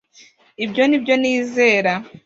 Ibyo ni byo nizera